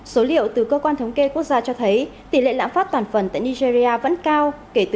số liệu từ cơ quan thống kê quốc gia cho thấy tỷ lệ lãng phát toàn phần tại nigeria vẫn cao